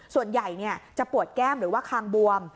ส่วนใหญ่จะปวดแก้มหรือว่าคางบวม